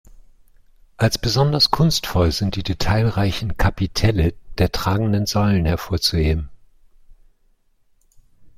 Als besonders kunstvoll sind die detailreichen Kapitelle der tragenden Säulen hervorzuheben.